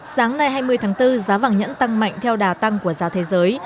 sáng nay hai mươi tháng bốn giá vàng nhẫn tăng mạnh theo đà tăng của giá thế giới